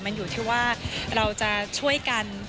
มันอยู่ที่ว่าเราจะช่วยกัน